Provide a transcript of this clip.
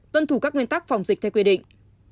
tuân thủ các nguyên tắc phòng dịch theo quy định